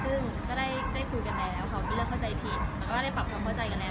ซึ่งไปดีกว่าได้คุยกันแล้วพี่ก็ได้ปรับมาเจาะใจกันแล้ว